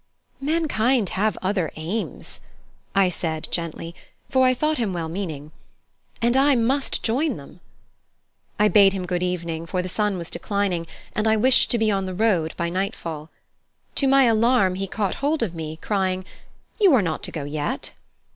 "Mankind have other aims," I said gently, for I thought him well meaning; "and I must join them." I bade him good evening, for the sun was declining, and I wished to be on the road by nightfall. To my alarm, he caught hold of me, crying: "You are not to go yet!"